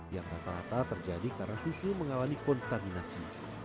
yang rata rata terjadi karena susu mengalami kontaminasi